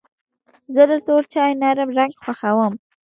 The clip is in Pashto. زه د تور چای نرم رنګ خوښوم.